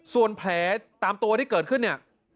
ส่วนแผลตามตัวที่เกิดขึ้นเนี่ย